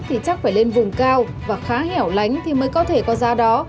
thì chắc phải lên vùng cao và khá hẻo lánh thì mới có thể có giá đó